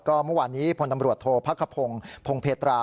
เมื่อวานนี้พลตำรวจโทษพักขพงศ์พงเพตรา